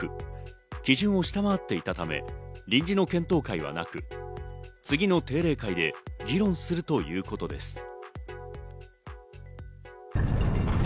基準を下回っていたため、臨時の検討会はなく、次の定例会で議論するということです。